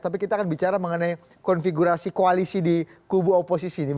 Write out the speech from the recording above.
tapi kita akan bicara mengenai konfigurasi koalisi di kubu oposisi ini